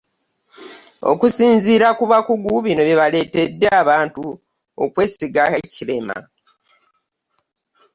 Okusinziira ku bakugu, bino by'ebyaleetedde abantu okwesiga Hchilema.